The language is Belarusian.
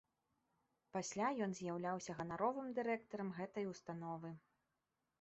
Пасля ён з'яўляўся ганаровым дырэктарам гэтай установы.